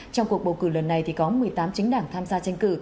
trong cuộc bầu cử lần này thì có một mươi tám chính đảng tham gia tranh cử